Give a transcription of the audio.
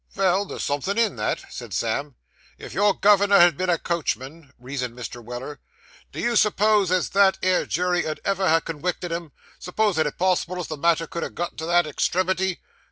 'Vell, there's somethin' in that,' said Sam. 'If your gov'nor had been a coachman,' reasoned Mr. Weller, 'do you s'pose as that 'ere jury 'ud ever ha' conwicted him, s'posin' it possible as the matter could ha' gone to that extremity?